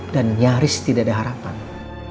dan nyaris tidak ada harapannya